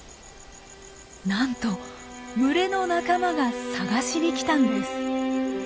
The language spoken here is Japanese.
なんと群れの仲間が探しに来たんです。